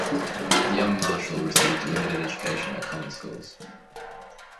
The young Marshall received a limited education at common schools.